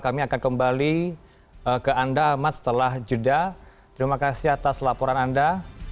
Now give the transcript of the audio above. kami akan kembali ke anda ahmad setelah jeda terima kasih atas laporan anda